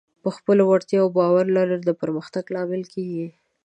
په خپلو وړتیاوو باور لرل د پرمختګ لامل کېږي.